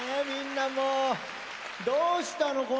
みんなもうどうしたの？